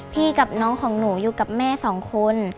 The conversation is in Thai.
กับน้องของหนูอยู่กับแม่สองคน